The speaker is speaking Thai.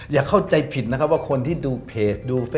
อย่าเข้าใจผิดนะครับว่าคนที่ดูเพจดูเฟส